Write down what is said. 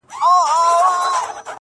• سمدستي یې د مرګي مخي ته سپر کړي,